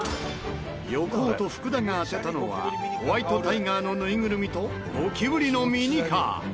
横尾と福田が当てたのはホワイトタイガーのぬいぐるみとゴキブリのミニカー。